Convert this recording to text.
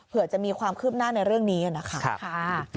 เผื่อจะมีความคืบหน้าในเรื่องนี้นะคะ